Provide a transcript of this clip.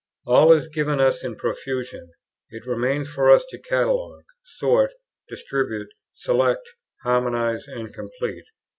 All is given us in profusion; it remains for us to catalogue, sort, distribute, select, harmonize, and complete.